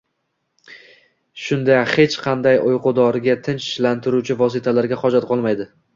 Shunda hech qanday uyqu doriga, tinchlantiruvchi vositalarga hojat qolmaydi